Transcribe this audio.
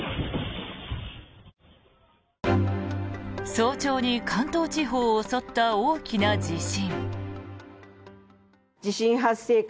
早朝に関東地方を襲った大きな地震。